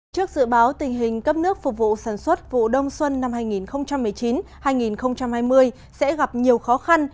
trước dự báo tình hình cấp nước phục vụ sản xuất vụ đông xuân năm hai nghìn một mươi chín hai nghìn hai mươi sẽ gặp nhiều khó khăn